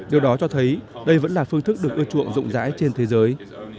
điều đó cho thấy đây vẫn là phương thức được ưa chuộng rộng rãi trên thế giới